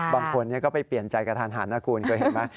บางคนก็ไปเปลี่ยนใจกระทันหันนะคุณเคยเห็นไหม